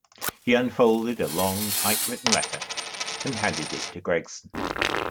He unfolded a long typewritten letter, and handed it to Gregson.